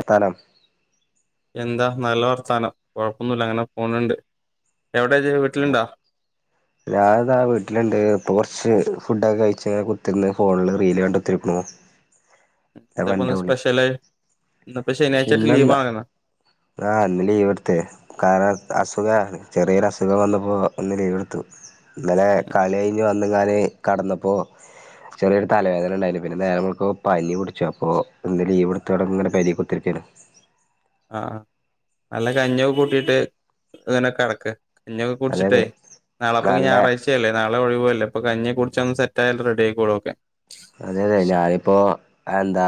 എത്താനം എന്താ, നല്ല വർത്താനം കൊയ് പ്പൊന്നുല്ല അങ്ങനെ പോണുണ്ട് എവിടെ ഇജ്ജ് വീട്ടില്ണ്ടോ ഞാൻ ഇതാ വീട്ടില്ണ്ട്, ഇപ്പൊ കൊറച്ച് ഫുഡൊക്കെ കഴിച്ച് കുത്തിരുന്ന് ഫോണില് റീല് കണ്ടുക്കുത്തിരിക്ക്ണൂ എന്താപ്പന്ന് സ്പെഷ്യല് ഇന്ന് പ്പം ശനിയാഴ്ചായിട്ട് ലീവ് വാണാ ആഹ് ഇന്ന് ലീവ്ട്ത് കാരണം അസുഖാണ് ചെറിയൊരു അസുഖം വന്നപ്പോ ഒന്ന് ലീവെടുത്തു ഇന്നലെ ഉം കളി കഴിഞ്ഞഞ് വന്നങ്ങാന് കടന്നപ്പോ ചെറിയൊരു തലവേദനണ്ടായിനിം പിന്നെ നേരംവെളുക്കുമ്പം പനി പുടിച്ചു അപ്പൊ ഇന്നുലീവ്ട്ത് ങ്ങനെ പേരേ ക്കുത്തിരിക്കാണ് ആഹ് നല്ല കഞ്ഞിയൊക്കെ കൂട്ടിയിട്ട് ങ്ങനെ കടക്ക് കഞ്ഞിയൊക്കെ അതെ അതെ കുടിച്ചിട്ടേയ് നാളെപ്പയ്ക്ക് നല്ല ഞായറാഴ്ചയല്ലേ നാളെ ഒഴിവുല്ലേ അപ്പോ കഞ്ഞിയെ കുടിചൊന്ന് സെറ്റായാൽ റെഡി ആയിക്കോളൂ ഒ ക്കെ അതെയതെ ഞാനിപ്പോ എന്താ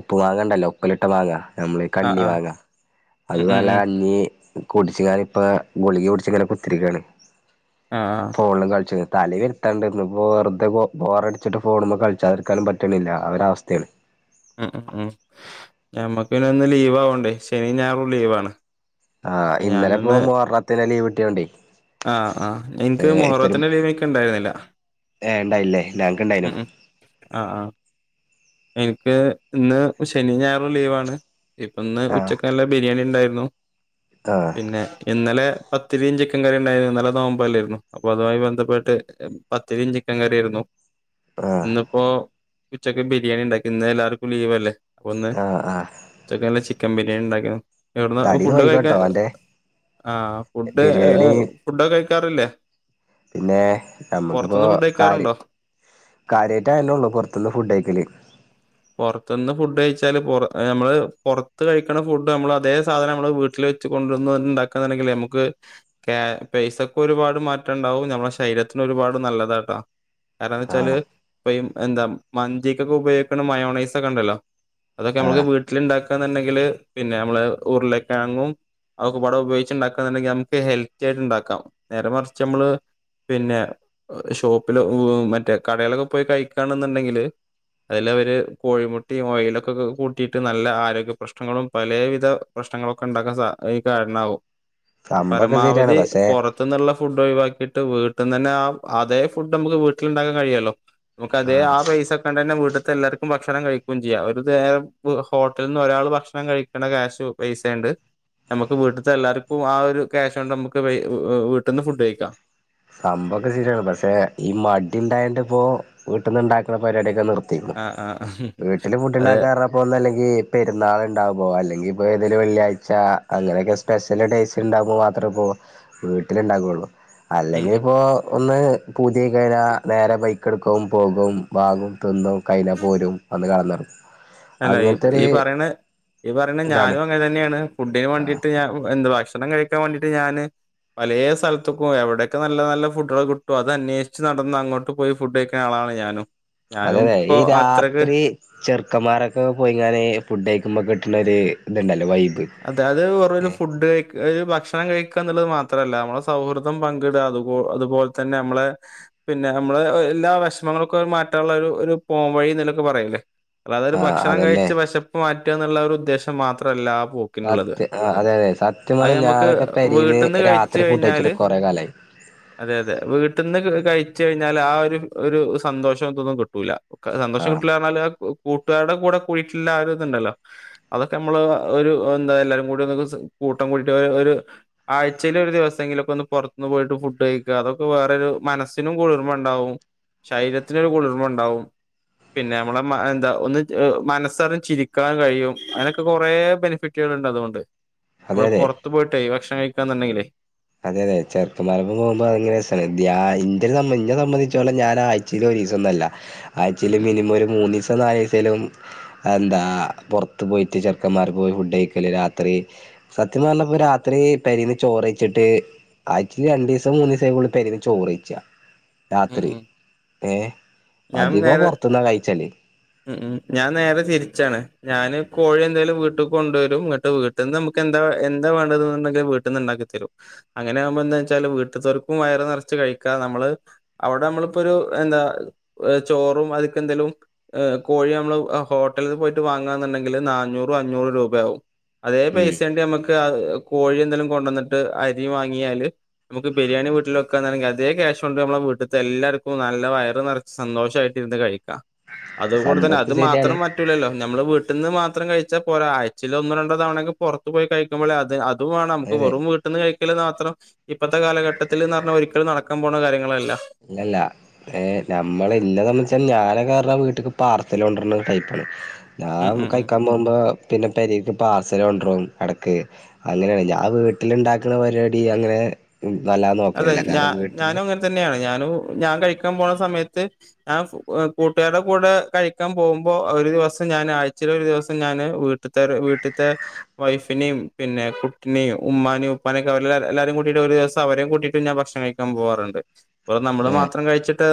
ഉപ്പമാങ്ങാണ്ടല്ലൊ ഉപ്പിലിട്ട മാങ്ങാ നമ്മള് ഈ ആഹ് ആഹ് കണ്ണിമാങ്ങാ അത് ഉം ഉം നല്ല ഉം കഞ്ഞി കുടിച്ച്ങ്ങാണ്ട് ഇപ്പ ഗുളിക കുടിച്ചിങ്ങനെ കുത്തിരിക്കാണ് ആഹ് ആഹ് ഫോണിലും കളിച്ച് തലെ വെര്ത്തവ്ണ്ടർ ന്നു ഇന്നപ്പോ വെറുതെ ബോറടിച്ചിട്ട് ഫോണ് മ്മേ കളിച്ചാതിരിക്കാനും പറ്റ്ണില്ല ആ ഒരവസ്ഥയാണ് ഉം ഉം ഞമ്മക്ക് പിന്നെ ഒന്ന് ലീവ് ആവണ്ടേ, ശനി ഞായറും ലീവാണ്. ആഹ് അപ്പൊ ഇന്നലപ്പോ ഞാനൊന്ന് മുഹറത്തിലെ ലീവ് കിട്ടിയോണ്ടേ ആഹ് ആഹ് ഇൻക്ക് ഏഹ് ഇപ്പൊരു മുഹറത്തിന്റെ ലീവ് ഇൻക്ക് ഇണ്ടായിരുന്നില്ല ഏഹ് ഇണ്ടായില്ലേ ഞങ്ങക്കിണ്ടായിനു ഉം ഉം ആഹ് ആഹ് ഇക്ക് ഇന്ന് ശനി ഞായറു ലീവാണ് ഇപ്പന്ന് ആഹ് ഉച്ചക്ക് നല്ല ബിരിയാണിണ്ടാ ണു ആഹ് പിന്നെ ഇന്നലെ പത്തിരയും ചിക്കൻ കറി ഇണ്ടായിരുന്നു ഇന്നലെ നോമ്പല്ലായിരുന്നു അപ്പൊ അതുമായി ബന്ധപ്പെട്ട് പത്തിരിയും ചിക്കൻ കറിയും ആയിരുന്നു ആഹ് ഇന്നിപ്പോ ഉച്ചക്ക് ബിരിയാണിണ്ടാക്കി ഇന്ന് എല്ലാർക്കും ലീവല്ലേ. അപ്പൊന്ന് ആഹ് ആഹ് ഉച്ചക്കല്ല ചിക്കൻ ബിരിയാണി ഉണ്ടാക്കിണ്. എവിടുന്ന തടീന്ന് ഫുഡൊക്കെ കഴിക്കാൻ പോയിക്കോട്ടോ അന്റെ ആഹ് ഫുഡ് എ-എ ഫുഡൊക്കെ കഴി ക്കാറില്ലേ? പിന്നേയ് നമ്മക്കിപ്പോ കാരി കഴിക്കാറുണ്ടോ കാര്യായിട്ടതന്നെള്ളൂ പൊറത്ത്ന്ന് ഫുഡ് കയിക്കല് പൊറത്ത്ന്ന് ഫുഡയിച്ച് ച്ചാല് പൊറ അമ്മള് പൊറത്ത് കഴിക്കണ ഫുഡ് അമ്മള് അതേ സാധനമ്മള് വീട്ടിലെച്ച് കൊണ്ട്ന്നൻണ്ടാക്കാന്നാണങ്കിൽ ലെമ്മക്ക് ഏഹ് പൈസക്കൊരുപാട് മാറ്റണ്ടാവും നമ്മളെ ശരീരത്തിനൊരുപാട് നല്ലതാട്ടോ. കാരണന്ന്ച്ചാല് ആഹ് ഇപ്പയി എന്താ മന്തി ക്കൊക്കെ ഉപയോഗിക്കണ മയോണൈസൊക്കെണ്ടല്ലോ അതൊക്കെ നമക്ക് ആഹ് വീട്ടില്ണ്ടാക്ക ക്കാന്ന്ണ്ടെങ്കില് പിന്നെ നമ്മള് ഉർലക്കിഴങ്ങും അവൊക്കെപ്പാടെ ഉപയോഗിച്ച്ണ്ടാക്കാന്ന്ണ്ടെങ്കില് നമുക്ക് ഹെൽത്തിയാട്ട്ണ്ടാക്കാം നേരെ മറിച്ചമ്മള് പിന്നെ ഷോപ്പില് ഉ-വ് മറ്റേ കടെലൊക്കെ പോയി കഴിക്കാന്നുണ്ടെങ്കില് അയിലവര് കോഴിമുട്ടയും ഓയിലൊക്കെ ക്കെ കൂട്ടിട്ട് നല്ല ആരോഗ്യ പ്രശ്നങ്ങളും പലേവിധ പ്രശ്നങ്ങളൊക്കെണ്ടാക്കാൻ സ ഈ കാരണാവും. സംഭവൊക്കെ ശരിയാണ് പരമാവധി പക്ഷെ പൊറത്ത്ന്നുള്ള ഫുഡ് ഒഴുവാക്കിട്ട് ട്ട് വീട്ട്ന്നന്നെ ആ അതേ ഫുഡമ്മക്ക് വീട്ടിലുണ്ടാക്കാൻ കഴിയല്ലോ നമുക്കതേ ആഹ് ആ പൈസ ന്നെ വീട്ട്ത്തെ എല്ലാർക്കും ഭക്ഷണം കഴിക്കും ചെയ്യാം ഒരു നേരം ഹോട്ടൽന്ന് ഒരാള് ഭക്ഷണം കഴിക്കണ ക്യാശു പൈസെണ്ട്. നമുക്ക് വീട്ടിത്തെ എല്ലാർക്കും ആ ഒരു ക്യാഷ് കൊണ്ടമ്മക്ക് വയ്-വ് വീട്ടീന്ന് ഫുഡ് കഴിക്കാം. സംഭവൊക്കെ ശരിയാണ് പഷെ ഈ മടി ഉണ്ടായണ്ട്പ്പോ വീട്ട്ന്ന്‌ണ്ടാക്കണ പരിവാടിക്കെ നിർ ത്തിക്കണ് ആ ആ വീട്ടില് ഫുഡ് അതെ ണ്ടാക്കാറഞ്ഞപ്പോ ഒന്നല്ലങ്കി പെരുന്നാള്ണ്ടാവുമ്പോ അല്ലെങ്കി ഇപ്പെതേലു വെള്ളിയാഴ്ച അങ്ങനെയൊക്കെ സ്പെഷ്യൽ ഡേയ്‌സ്ണ്ടാവുമ്പ മാത്രപ്പോ വീട്ടിലിണ്ടാക്കൊള്ളൂ. ഉം അല്ലെങ്കിപ്പോ ഒന്ന് പൂത്യായ്കയ്ഞ്ഞാ നേരെ ബൈക്കെട്ക്കും പോകും വാങ്ങും തിന്നും കൈഞ്ഞാ പോരും വന്ന് കെടന്നൊറങ്ങ് എല്ലാ ഈ ഈ പറെയ്ണേ ഈ പറീണ ഇതാണ് ഞാനും അങ്ങൻതന്നെയാണ് ഫുഡിന് ആ വാണ്ടീട്ട് ഞാൻ എന്ത് ഭക്ഷണം കഴിക്കാൻ വേണ്ടീട്ട് ഞാന് പലേ സൽത്ത്ക്കാേയ് എവ്ടെക്കെ നല്ല നല്ല ഫുഡ്ഡ്കള് കിട്ടാേ അതന്നേഷ്ച്ച് നടന്ന് അങ്ങോട്ട് പോയ് ഫുഡ്ഡയ്ക്ക്ണ ആളാ ളാ ഞാനും. ഞാനും അങ്ങനെ ഇപ്പോ ഈ അത്രക്ക് രാത്രി ചെർ ക്കൻമാരൊക്കെ പോയ്ങ്ങാന് ഫുഡ്ഡയ്ക്കുമ്പ കിട്ട്ണൊര് ത്ണ്ടല്ലോ വൈ അതെ അത് വെറുവൊരു ഫുഡ്ഡ്കഴിക്ക് ഒര് ഭക്ഷ ക്ഷണം കഴിക്കന്ന്ള്ളത് മാത്രല്ല നമ്മളെ സൗഹൃദം പങ്ക്ടാ അതുപോ അതുപോൽ തന്നെ മ്മളെ പിന്നെ അമ്മ എല്ലാ വെഷ്മങ്ങളൊക്കെ മാറ്റാൻള്ളെരു ഒരു പോം വഴീന്ന്ലെക്കെ പറയൂലേ അല്ലാതെ ഒര് ആഹ് ഭക്ഷണം അതല്ലേ കഴിച്ച് വെശപ്പ് മാറ്റാ ന്ന്ള്ള ആ ഒര്ദ്ദേശം മാത്രല്ലാ പോക്കിന്ള്ളത് സത്യ ആഹ് അതെ അതെ സത്യം അയ് പറഞ്ഞ ഞമ്മക്ക് ഞാനൊക്കെ പെരീന്ന് വീട്ട്ന്ന് കഴിച്ച് രാത്രി ഫുഡ് കയ്ഞ്ഞാല് കഴിച്ചിട്ട് കൊറെ കാലായി അതെ അതെ വീട്ട്ന്ന് ക കഴിച്ച് കയ്ഞ്ഞാല് ആ ഒരു ഒരു സന്തോഷം തൊന്നും കിട്ടൂലാ സന്തോഷം ആഹ് കിട്ടൂല്ലാർഞ്ഞാല് അത് കൂട്ട്കാർടെ കൂടെ പോയിട്ടിള്ള ആ ഒരിതൊണ്ടല്ലോ അതൊക്കെ മ്മള് ഒരു പ്പന്താ എല്ലാരും കൂടി ഒര്സം കൂട്ടം കൂടിട്ട് ഒരു ആഴ്ചയിലൽ ഒരു ദിവസെങ്കിലൊക്കെ ഒന്ന് പൊറത്തന്ന് പോയിട്ട് ഫു ഫുഡ്ഴിക്ക അതൊക്കെ വേറൊരു മനസ്സിനും കുളിർമണ്ടാവും ശരീരത്തിനൊരു കുളിർമണ്ടാവും. പിന്നെ മ്മളെ എന്താ ഒന്ന് മനസ്സറി ചിരിക്കാൻ കഴിയും അങ്ങനൊക്കെ കൊറേ ബെനഫിറ്റ് ട്ടികളുണ്ടതുകൊണ്ട് അതെ നമ്മള് അതെ പൊറത്ത് പോയിട്ടേ ഭക്ഷണം കഴിക്കാന്നുണ്ടെങ്കിലേ അതെ അതെ ഇത്തിരി സമ്മേം ഞെ സംബന്ധിച്ചോളെ ഞാനായച്ചതൊരിസംന്നല്ല ഉം ആഴ്ച്ചേൽ ഉം. മിനിമം ഒരു മൂന്നിസം നാലിസേലും എന്താ പൊറത്ത് പോയിട്ട് ചെക്കന്മാർ പോയി ഫുഡഴിക്കല് രാത്രി സത്യം നല്ല രാത്രി പരിന്ന് ചോറ് വച്ചിട്ട് ആഴച്ചയിൽ രണ്ടിസം മൂന്നു ദിവസം ആയ പെരി ചോറ്ഴിച്ച രാത്രി ഏഹ് ഞാൻ അധികം നേരെ പൊറത്ത്ന്നാ കഴിച്ചല് ഉ ഞാൻ നേരെ തിരിച്ചാണ് ഞാന് കോഴി എന്തായാലും വീട്ടിൽ ഞാൻ കോഴി എന്തേലും വീട്ടിൽ കൊണ്ടുവരും എന്നിട്ട് വീട്ടിൽ നിന്ന് നമുക്ക് എന്താ എന്താ വേണ്ടതുണ്ടെങ്കിൽ വീട്ടന്ന്ണ്ടാക്കും അങ്ങനെ ആകുമ്പ എന്താ വെച്ചാല് വീട്തോൽക്കും വയറ് നിറച്ച് കഴിക്കാ നമ്മള് അവിടെ നമ്മളിപ്പോ ഒരു പ്പൊ എന്താ [unintelligible] ഏഹ് ചോറും അത്ക്കെന്തേലും ഏഹ് കോഴി നമ്മള് ഹോട്ടൽല് പോയ്ട്ട് വാങ്ങാന്ന്ണ്ടെങ്കില് നാഞ്ഞൂറു അഞ്ഞൂറ് രൂപയാകവും അതേ ഉം പൈസണ്ട നമുക്ക് കോഴി എന്തെലും കൊണ്ടുവന്നിട്ട് അരി വാങ്ങിയാല് നമുക്ക് ബിരിയാണി വീട്ടിൽക്കാ അതേ ക്യാഷ് കൊണ്ട് നമ്മള വിട്ട്ത്തെ എല്ലർക്കും നല്ല വയർ നിറ സന്തോഷമായിട്ട് ഇരുന്ന് കഴിക്കാം അതുകൂടെ തന്നെ സംഭവൊക്കെ അത് ശരിയാണ് മാത്രം പറ്റൂില്ലല്ലോ നമ്മള് വീട്ട വീട്ടിന് മാത്രം കഴിച്ചൽ പോര അയച്ചയി ഒന്ന് രണ്ടോ തവണ ഓക്കേ പുറത്ത് പോയി കഴുമ്പോഴേ അത്ത് അത് പോണം നമുക്ക് അതെ വെറും വീട്ട്ന്ന് കഴിക്കല് മാത്രം ഇപ്പത്തെ കാലഘട്ടത്തില്ന്നർഞ്ഞാ ഒരിക്കലും നടക്കാം പോണ കാര്യങ്ങളല്ലാ ഇല്ലല്ല ഏ നമ്മള ഇല്ലത വെച്ചാൽ ഞാന കേയറ വീട്ടക്ക് പാർസൽ കൊണ്ടരുന്ന കൈപ്പാണ് ഉം ഞാൻ ഉം ഉം. കഴിക്കാൻ പോകുമ്പോ പിന്നെ പരിക് പാർസൽ കൊണ്ടും ഇടക്ക് അങ്ങനെയാണ് ഞാൻ വീട്ടിൽ ഇണ്ടാക്കുന്ന പരിപാടി അങ്ങനെ വല്ലാതെ അതെ നോക്കലില്ല ഞാ കാരണം വീട്ടില് ഞാനും അങ്ങനെ തന്നെയാണ് ഞ ഞാൻ കഴിക്കാൻ പോുന്ന സമയത്ത് ഞാൻ കൂട്ടുകാരുടെ കൂടെ കഴിക്കാൻ പോകുമ്പോ അവ വസം ഞാന് ആഴ്ച്ചേലൊര് ദിവസം ഞാന് വീട്ട്ത്തെ വീട്ട്ത്തെ വൈഫിനിം പിന്നെ കുട്ടിനിം ഉമ്മാും ഉപ്പാനൊെ അവല്ലാരും കൂട്ടിട് ഒരു ദിവസം അവരും കുടി പിന്നെ ഭക്ഷണം കഴിക്കാൻ പോകാറുണ്ട് നമ്മള് ഏഹ് മാത്രം കഴിച്ചിട്ട്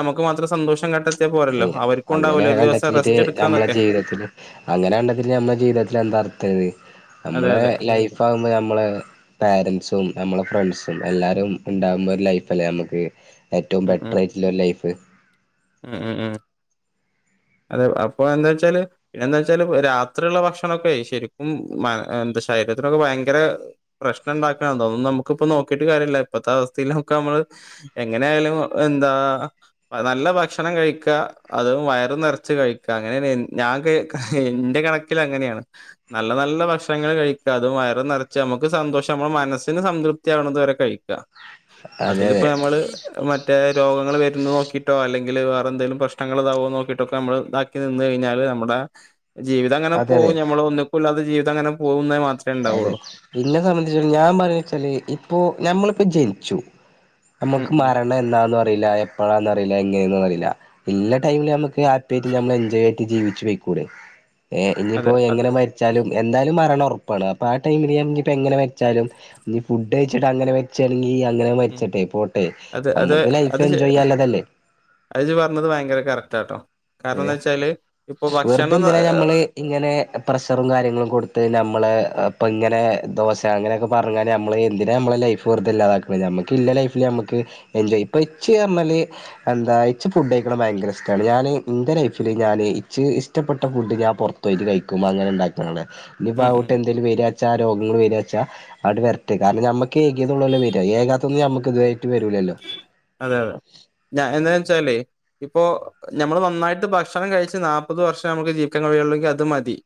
നമുക്ക് മാത്രം സന്തോഷം കട്ട അ അങ്ങനെ കണ്ടെത്തിട്ട് നമ്മളെ എടുക്കാന്നൊക്കെ ജീവിതത്തിൽ അങ്ങനെ കണ്ടത്തി നമ്മെ ജീവിതത്തിൽ എന്താ അതെ നമ്മളെ അതെ ലൈഫ് ആകുമ്പോ നമ്മളെ പാരൻറ്സും നമ്മളെ ഫ്രണ്ട്സും എല്ലാവരും ഉണ്ടാകുന്ന ഒരു ലൈഫ്ല്ലേ നമുക്ക് ഏറ്റവും ബെറ്റർ ആയിട്ടുള്ള ഒരു ലൈഫ് മം ഉം ഉം അതെ അപ്പൊ എന്താ വെച്ചാല് എന്താ വെച്ചാല് രാത്രിയുള്ള ഭക്ഷണൊക്കെ ശരിക്കും എന്താ ശരീരത്തിനൊക്കെ ഭയങ്കര പ്രശ്നംണ്ടാക്കാ അതാെന്നും നമുക്ക്പ്പാെ നോക്കീട്ട് കാര്യല്ല ഇപ്പത്തെ അവസ്തീലൊക്കെ നമ്മള് എങ്ങനെയ ആായാലും എന്താ നല്ല ഭക്ഷണം കഴിക്ക അതും വയറും നറച്ചു ച് കഴിക്ക അങ്ങന ഞാൻ എന്റെ കണക്കിൽ അങ്ങനെയാണ് നല്ല നല്ല ഭക്ഷണൾ കഴി അത് വയറ് നിറച്ച് നമുക്ക് സന്തോഷം നമ്മുടെ മനസ്സിന് സംതൃപ്തി ആവേണത് വരെ കഴിക്കാം അതെ അതെ അതിലിപ്പോ നമ്മൾ മറ്റേ രോഗങ്ങൾ വരും നോക്കിട്ടോ അല്ലെങ്കിൽ ല് വേറെന്തേലും പ്രശ്നങ്ങൾ ഇതാവോ നോക്കീട്ടൊക്കെ നമ്മള് ഇതാക്കി നിന്ന് കയ്ഞ്ഞാല് നമ്മ്ടെ ജീവിത അങ്ങനെ അതെ അതെ പോവുംുംഞമ്മൾ ഒന്നിക്കൂില്ലാതെ ജീവിം അങ്ങനെ പോകും അതെ പിന്നെ സംബന്ധിച്ച ഞാൻ പറഞ്ഞ വെച്ചാല് ഇപ്പൊ നഞമ്മളിപ്പോൊ ജനിച്ചു ഉം നമ്മുക്ക് ഉം മരണം എന്താന്ന് അറിയില്ല എപ്പഴാന്ന് അറിയില്ല എങ്ങനെയന്നന്ന അറിയില്ല ഇല്ല ടൈമില് നമുക്ക് ഹാപ്പി ആയിട്ട് നമ്മൾ എൻജോയ് ആയിട്ട് ജീവിച്ചു പെയ്ക്കൂടേ ഏ ഇനിയിപ്പോ അതെ അതെ എങ്ങനെ മരിച്ചാലും എന്തായാലും മരണോർപ്പ അ ആ ടൈമിൽ എങ്ങനെ മരിച്ചാലും ഫുഡ് കഴിചിട്ട് അങ്ങനെ മരിച്ചാണെക്കി അങ്ങനെ ഉം മരിച്ചട്ടെ പോട്ടെ അത് അത് നമ്മുക്ക് ലൈഫ് അത് ശ എൻജോയ് ചെയ്യനുള്ളത് അല്ലേ അത് ജ് പർഞ്ഞത് ഭയങ്കര കറക്റ്റാട്ടോ കാരണംന്ന് വെച്ചാല് ഇപ്പൊ വെറുതെ ഭക്ഷണം ന- എന്തിനാ ഏഹ് നമ്മള് ഇങ്ങനെ പ്രഷറും കാര്യങ്ങളും കൊടുത്ത് നമ്മള് ഇപ്പൊ ഇങ്ങനെ ദോശ അങ്ങനെയൊക്കെ പറഞ്ഞാല് നമ്മള് എന്തിനാണ് നമ്മള ലൈഫ് വെറതല്ലാതാക്ക നമുക്ക് ഇല്ല ലൈഫില് നമുക്ക് എൻജോയ്ാം ഇപ്പൊ ഇച്ച് പറഞ്ഞാല് എന്താ ഇച്ച് ഫുഡ് കഴിക്കണത് ഭയങ്കര ഇഷ്ടമാണ് ഞാന് എന്റെ ലൈഫില് ഞാന് ഇച്ച് ഇഷ്ടപ്പെട്ട ഫുഡ്ഞൻ പുറത്ത് പോയിട്ട് കഴിക്കു അങ്ങനെ ഇണ്ടാക്ണത് ആണ് ഇഞ്ഞ്പ്പാ ഉം കൂട്ട് ഉം എന്തേലും വര്യാച്ചാ ആ രോ കേട് വെര്യാച്ചാ ആട്ട് വെര്ട്ട് കാരണം നമ്മക്ക് ഏകീയതോള്ളോലൊ വര്യാ ഏകാതൊന്നും നമ്മക്ക് ഇതുവ അതെ അതെ ഞാൻ എന് ച്ചാല് ഇപ്പോ നമ്മള് നന്നായിട്ട് ഭക്ഷണം കഴിച്ച് നാപത് വർഷ അമ്മക്ക് ജീവിക്കാ കഴിയോള്ളെങ്കി അത് മതി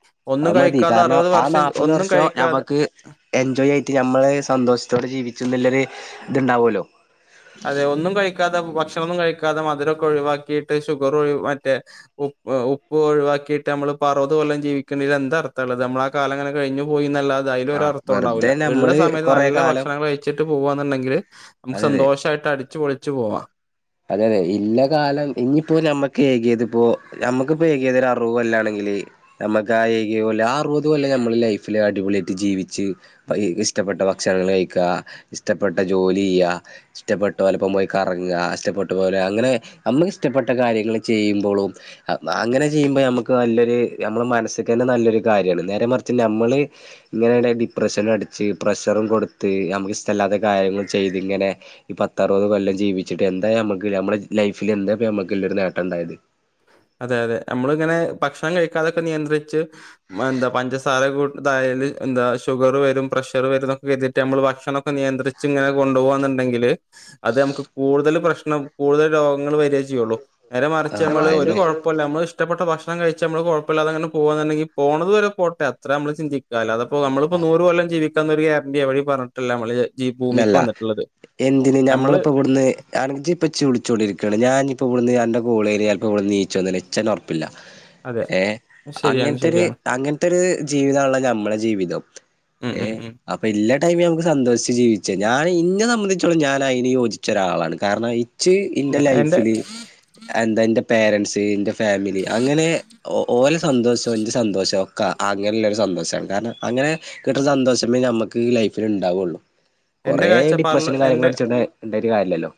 ആ ഒന്നും മതി കഴിക്കാതെ കാരണം അറുപത് ആ വർഷം നാല്പ്പത് ഒന്നും വർഷം കഴിക്കാതെ നഞമ്മക്ക് എൻജോയ് ആയിട്ട് ഞമ്മള് സന്തോഷത്തോടെ ജീവി ച്ച്നല്ലര് ഇതുണ്ടാവല്ലോ അതെ ഒന്നും കഴിക്കാതെ ഭക്ഷണൊന്നും കഴിക്കാതെ മധുര വൊക്കെ ഒഴിവാക്കിയിട്ട് ഷുഗർ ഒഴി മറ്റേ ഉ ഉപ്പ് ഒഴിവാക്കിയിട്ട് നമ്മള് പ്പ അറുപത് കൊല്ലം ജീവിക്കുന്നതിലെന്താർത്ഥള്ളത് നമ്മള ആ കാലങ്ങനെ കഴിഞ്ഞു പോയിന്നല്ലാ തെ ആഹ് അയിലൊരർത്ഥോണ്ടാവില്ല വെറുതെ ഇള്ള നമ്മള് സമയത്ത് കൊറെ നല്ല കാലം ഭക്ഷണങ്ങള് കഴിച്ച് ട്ട് പോവാന്നുണ്ടെങ്കില് നമുക്ക് അതെ അതെ സന്തോഷായിട്ട് അടിച്ചു പൊളിച്ചു പോവാം അതെ അതെ ഇല്ല കാലം ഇനിയിപ്പോ ഞമ്മക്ക് ഏകിയതിപ്പോ നമ്മക്കിപ്പോ ഏകിയത് ഒരു അറുവ് കൊല്ലാണെങ്കി ല് നമ്മക്കാ ഏകിയ കൊല്ലം ആ അറുപതു കൊല്ലം ലൈഫില് അടിപൊളിയായിട്ട് ജീവിച്ച് പൈ ഇസ്ട പ്പെട്ട ഭക്ഷണങ്ങള് കഴിക്ക ഇഷ്ടപ്പെട്ട ജോലി ചെയ്യ ഇഷ്ടപ്പെട്ടലോപ്പം പോയി കറങ്ങാ ഇഷ്ട ട്ട പോലെ അങ്ങനെ നമ്മുക്ക് ഇഷ്ടപ്പെട്ട കാര്യങ്ങൾ ചെയ്യുമ്പോളും അങ്ങനെ ചെയ്യുമ്പോ നമ്മുക്ക് നല്ലൊരു ഞമ്മളെ മനസ്സ്ക്ക് തന്നെ നല്ലൊരു കാര്യാണ് നേരെ മറിച്ച് ഞമ്മള് ഇങ്ങനെ ഡിപ്രഷനടിച്ച് പ്ര ഷറും കൊടുത്ത് നമുക്കിഷ്ടല്ലാത്ത കാര്യങ്ങൾ ചെയ്തിങ്ങനെ പത്തറുപത് കൊല്ലം ജീവിച്ചിട്ട് എ ടാ ഞമ്മക്ക് ഞമ്മുടെ ലൈഫില് എന്താ ഞമ്മുക്കുള്ളൊരു നേട്ടണ്ടായത് അതെ അതെ ഞമ്മളിങ്ങനെ ഭക്ഷണം കഴിക്കാതൊക്കെ നിയന്ത്രിച്ച് മ് എന്താ പഞ്ചസാര കൂ തായെ എന്ത് എന്താ ഷുഗറു വരും പ്രഷറ് വരു ന്നൊക്കെയ്തിട്ട് ഞമ്മള് ഭക്ഷണോക്കെ നിയന്ത്രിച്ച് ഇങ്ങനെകൊണ്ടോവാ ന്നുണ്ടെങ്കില് അത് ഞമ്മക്ക് കൂടുതല് പ്രശ്നം കൂടുതൽ രോഗങ്ങൾ വര്വ ചെയ്യുള്ളൂ നേരെ മറിച്ച് മ്മള് ഒരു കൊഴപ്പല്ല മ്മള് ഇഷ്ടപ്പെട്ട ഭക്ഷ ണം കഴിച്ച് മ്മള് കൊഴപ്പല്ലാതെങ്ങനെ പോകുന്നുണ്ടെങ്കി പോണത് വരെ പോട്ടെ അത്ര മ്മള് ചിന്തിക്കാ അല്ലാതെ ഇപ്പ നമ്മളിപ്പോ ആ നൂറ് കൊല്ലം ജീവിക്കുന്ന ഒരു ഗ്യാരണ്ടി അവര് പറഞ്ഞിട്ടില്ല നമ്മള് ജ ഭൂമിക്ക് ഇല്ലല്ല വന്നിട്ടുള്ളത് എന്തിന് നമ്മള് ഞമ്മളിപ്പോവിടുന്ന് ആണെങ്കി ജി ഇപ്പച്ചി വിളിച്ചോണ്ടിരിക്കയാണ് ഞാനിപ്പവിടുന്ന് അന്റെ കൂളേരിയേൽക്ക് വ്ട്ണീച്ചുവന്നാലെച്ചന്നെ ഒറപ്പില്ല അതെ ഏ ശരിയാണ് അങ്ങനത്തെര് ശരിയാണ് അങ്ങനത്തെര് ജീവിതണല്ലോ ഞമ്മളെ ജീവിതം ഉം ഏ ഉം ഉം അപ്പൊ എല്ലാ ടൈമിലും മ്മുക്ക് സന്തോഷിച്ച് ജീവി ഞാൻ ഇന്നെ സംബന്ധിച്ചോളം ഞാനയിന് യോജിച്ച ഒരാളാളാണ് കാരണം ഇ ജ് ഇന്റെ ഞാ- എന്റെ ലൈഫില് എന്താന്റെ പേരൻറ്സ് ന്റെ ഫാമിലി അങ്ങനെ ഓലെ സന്തോഷം ന്റെ സന്തോഷവാ ക അങ്ങനെള്ളൊരു സന്തോഷാണ് കാരണം അങ്ങനെ കിട്ടുന്ന സന്തോഷമേ ഞമ്മക്ക് ലൈഫില്ണ്ടാവുള്ളു എന്റെ കൊറേ കാഴ്ചപ്പാടിൽ ഡിപ്രഷനും എന്റെ കാര്യങ്ങളും അടിച്ചോണ്ട് ണ്ടായിട്ട് കാര്യല്ലല്ലോ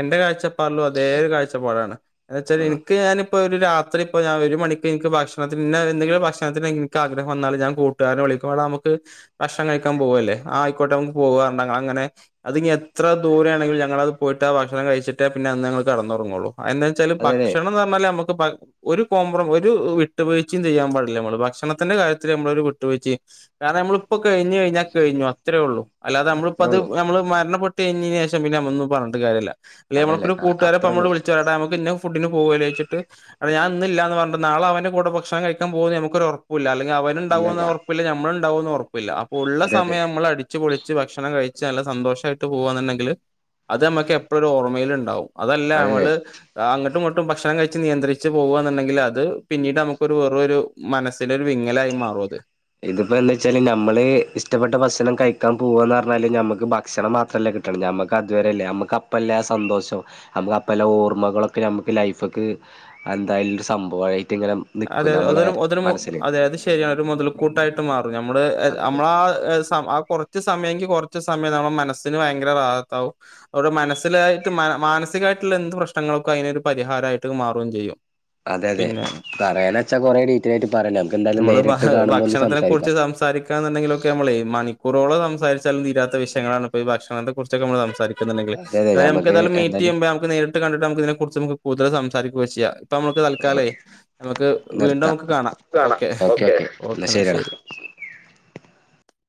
എന്റെ കാഴ്ചപ്പാടിലും അതേ ഒരു കാഴ്ചപ്പാടാണ് എന്ന്ച്ചാല് ആഹ് എനക്ക് ഞാന് ഇപ്പോ ഒരു രാത്രി ഇപ്പോ ഞാൻ ഒരു മണിക്ക് നിക്ക് ഭക്ഷത്തിന് എന്തെങ്കിലും ഭക്ഷണത്തിന് നിക്ക് ആഗ്രഹം വന്നാല് ഞാൻ കൂട്ടുകാരനെ വിളി ക്കും വാടാ മ്മുക്ക് ഭക്ഷണം കഴിക്കാൻ പോവല്ലേ ആയിക്കോട്ടെ മ്മുക്ക് പോവ പറഞ്ഞങ്ങളങ്ങനെ അത് ഇനിഎത്ര ദൂ രെയാണെങ്കിലും ഞങ്ങളത് പോയിട്ടാ ഭക്ഷണം കഴിച്ചിട്ടേ പിന്നെ അന്ന് ഞങ്ങള് കെടന്നോറങ്ങോള്ളൂ അയെന്നാച്ചാല് അതെതെ ഭക്ഷണന്ന് പറഞ്ഞാല് നമുക്ക് പ ഒരു കോംമ്പ്ര ഒരു വിട്ടുവീഴ്ച്ചയും ചെയ്യാൻ പാടില്ല മ്മള് ഭക്ഷണത്തിന്റെ കാര്യത്തില് നമ്മളൊരു വിട്ടുവീഴ്ച്ചയും കാര നമ്മളിപ്പോൾ കഴിഞ്ഞ് കഴിഞ്ഞാൽ കഴിഞ്ഞു അത്രേ ഒള്ളൂ അല്ലാതെ നമ്മളിപ്പ അത് അത്രേള്ളൂ നമ്മള് മരണപ്പെട്ടു കഴിഞ്ഞതിന് ശേഷം പിന്നെ നമ്മ ഒന്നും പറഞ്ഞിട്ട് കാര്യല്ല അല്ല മ്മളിപ്പോ അതല്ലേ ഒരു കൂട്ടുകാരിപ്പോ മ്മളെ അത്രേള്ളൂ വിളിച്ചു പറയാ നമുക്കിന്ന ഫു ഫുഡിന് പോവല്ലെച്ചിട്ട് അത് ഞാനിന്നില്ല പറഞ്ഞിട്ട് നാളെ അവന്റെ കൂടെ ഭക്ഷണം കഴിക്കാ പോവൂന്ന് ഞമ്മുക്കൊരു ഒറപ്പൂല്ലല്ലെ അവനുണ്ടാവോന്ന് ഇല്ലല്ല ഒറപ്പില്ല ഞമ്മളുണ്ടാവോന്ന് ഒറപ്പില്ല അപ്പൊ ഉള്ള അതെ അതെ സമയം നമ്മൾ അടിച്ച് പൊളിച്ച് ഭക്ഷണം കഴി ച്ച് നല്ല സന്തോഷായിട്ട് പോവാന്നുണ്ടെങ്കിൽ അത് നമ്മുക്ക് എപ്പഴും ഓർമ്മയിലുണ്ടാവും അതല്ല അതെ അതെ മ്മള് അങ്ങട്ടും ഇങ്ങോ ട്ടും ഭക്ഷണം കഴിച്ച് നിയന്ത്രിച്ച് പോവ്വ്വാ ന്നുണ്ടെങ്കിൽ അത് പിന്നീട് നമുക്കൊരു വേറൊരു മനസ്സിലൊരു വിങ്ങലായി മാറും അത് ഇതിപ്പോ എന്താച്ചാല് നമ്മള് ഇഷ്ടപ്പെട്ട ഭക്ഷണം കഴിക്കാൻ പോവന്ന് പറഞ്ഞാല് നമ്മുക്ക് ഭക്ഷണം മാത്രല്ല കിട്ടണേ ഞമ്മക്ക് അതുവരെല്ലേ അമ്മുക്ക് അപ്പ അല്ലെ ആ സന്തോഷം അമ്മുക്ക് അപ്പല്ലെ ഓർമ്മകളൊക്കെ ഞമ്മുക്ക് ലൈഫ്ക്ക് അന്തായാലും ഒരു സംഭവായി അതെയതെ അതൊരു മു അതൊരു മു അതെ അത് ശരിയാണ് ഒരു മൊതൽ കൂട്ടായിട്ട് മാറും ഞമ്മള് അതെ അതെ മ്മളെ ആ സ ആ കൊറച്ച് സമയെങ്കി കൊറ ച്ച് സമയം നമ്മുടെ മനസിന് ഭയങ്കര വാവത്താവും അവരുടെ മനസ്സിലായിട്ട് മാനസികമായിട്ടുള്ള എന്ത് പ്രശ്നങ്ങ നൊക്കെ അയിനേത് പരിഹാരായിട്ട് മാറോം ചെയ്യും അതെയതെ പിന്നെ ക ണേനേച്ചാ കൊറെ ഡീറ്റെലായിട്ട് പറയണ്ടെ നമുക്ക് എന്തായാലും നമ്മള് ഭ നേരിട്ട് കാണുമ്പോ ഒന്ന് ഭക്ഷണത്തിനെ സംസാരിക്കാം കുറോള സംസാരിചാലും തീരാത്ത വിഷയങ്ങളാണ് ഇപ്പോ ഈ ഭക്ഷണത്തെ കുറിച്ചക്കെ നമ്മൾ സംസാരിക്കും ണ്ടെിൽ അതെ അതെ നമുക്ക് നമക്ക്തായാല മീറ്റ് എന്തായാലും ചെയ്യുമ്പോ നമ്മുക്ക് നേരിട്ട് കണ്ടിട്ട് നമ്മുക്ക് ഇതിനെ കുറിച് കൂടുതൽ സംസാരിക്ക ഒക്കെ ചെയ്യാം ഇപ്പ നമ്മുക്ക് തൽക്കാലേ നമുക്ക് വീണ്ടും നിർത്താം നമുക്ക് കാണാം ഓക്കെ ഓക്കേ എന്നാ ശരി